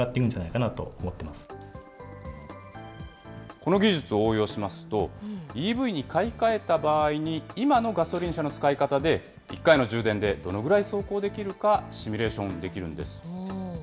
この技術を応用しますと、ＥＶに買い替えた場合に、今のガソリン車の使い方で、１回の充電でどのぐらい走行できるかシミュレーションできるんです。